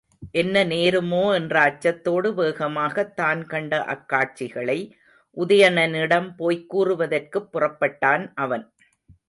என்ன நேருமோ என்ற அச்சத்தோடு வேகமாகத் தான் கண்ட அக்காட்சிகளை உதயணனிடம் போய்க் கூறுவதற்குப் புறப்பட்டான் அவன்.